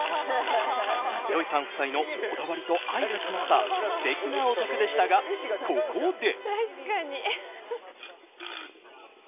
ＪＯＹさん夫妻のこだわりと愛が詰まった素敵なお宅でしたが、ここで。